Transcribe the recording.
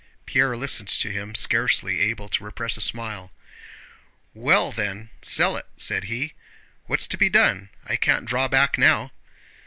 Pierre listened to him, scarcely able to repress a smile. "Well then, sell it," said he. "What's to be done? I can't draw back now!"